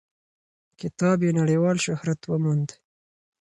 کتاب یې نړیوال شهرت وموند.